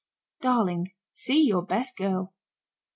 DARLING. See your best girl.